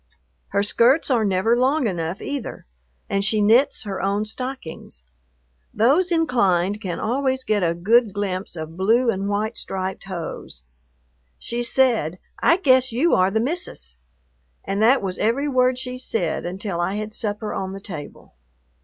Her skirts are never long enough either, and she knits her own stockings. Those inclined can always get a good glimpse of blue and white striped hose. She said, "I guess you are the Missus." And that was every word she said until I had supper on the table.